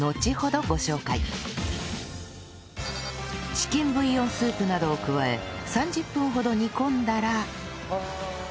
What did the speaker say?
チキンブイヨンスープなどを加え３０分ほど煮込んだら